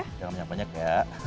jangan banyak banyak ya